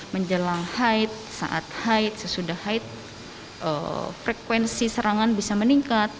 menjelang haid saat haid sesudah haid frekuensi serangan bisa meningkat